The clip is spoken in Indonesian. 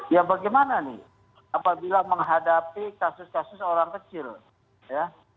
ya bagaimana nih apabila menghadapi kasus kasus orang kecil ya